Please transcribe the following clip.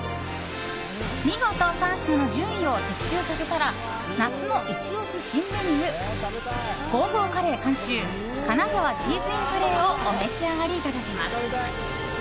見事３品の順位を的中させたら夏のイチ押し新メニューゴーゴーカレー監修金沢チーズＩＮカレーをお召し上がりいただけます。